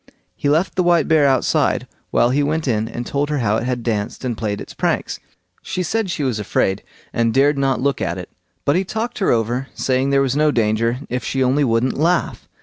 He left the white bear outside while he went in and told her how it had danced and played its pranks. She said she was afraid, and dared not look at it; but he talked her over, saying there was no danger, if she only wouldn't laugh.